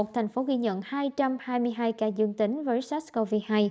thành phố ghi nhận hai trăm hai mươi hai ca dương tính với sars cov hai